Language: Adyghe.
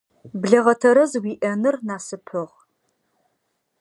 Блэгъэ тэрэз уиӏэныр насыпыгъ.